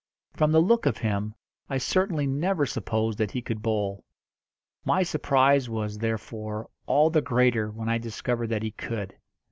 From the look of him, I certainly never supposed that he could bowl. My surprise was, therefore, all the greater when I discovered that he could.